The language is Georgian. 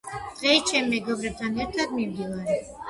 დღეს ჩემ მეგობრებთან ერთად მივდივარ